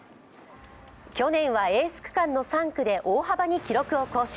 去年はエース区間の３区で大幅に記録を更新。